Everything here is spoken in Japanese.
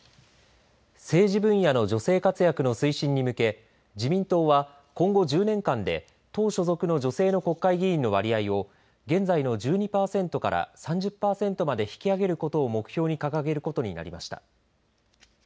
政治分野の女性活躍の推進に向け自民党は今後１０年間で党所属の女性の国会議員の割合を現在の１２パーセントから３０パーセントまで引き上げることを目標に掲げることになりました。